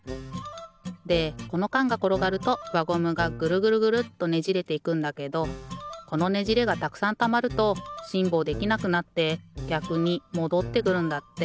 でこのかんがころがるとわゴムがぐるぐるぐるっとねじれていくんだけどこのねじれがたくさんたまるとしんぼうできなくなってぎゃくにもどってくるんだって。